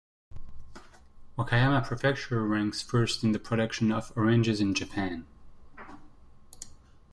Wakayama Prefecture ranks first in the production of oranges in Japan.